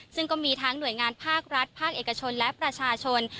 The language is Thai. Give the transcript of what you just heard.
ซึ่งก็มีทั้งหน่วยงานภาครัฐภาคเอกชนและประชาชน